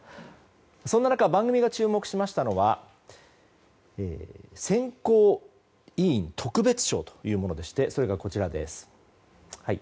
そんな中番組が注目しましたのは選考委員特別賞というものでしてそれが、こちらです。